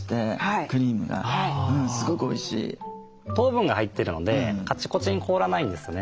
糖分が入ってるのでカチコチに凍らないんですね。